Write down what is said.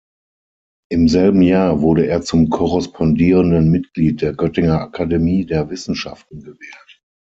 Im selben Jahr wurde er zum korrespondierenden Mitglied der Göttinger Akademie der Wissenschaften gewählt.